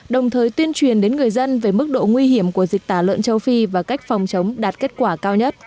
đồng thời tuyên truyền đến người dân về mức độ nguy hiểm của dịch tả lợn châu phi và cách phòng chống đạt kết quả cao nhất